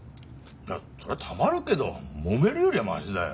そりゃたまるけどもめるよりはマシだよ。